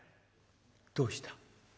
「どうした？